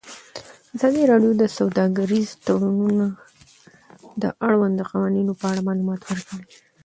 ازادي راډیو د سوداګریز تړونونه د اړونده قوانینو په اړه معلومات ورکړي.